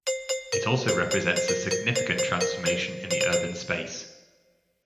It also represents a significant transformation in the urban space.